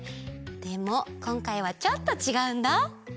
でもこんかいはちょっとちがうんだ。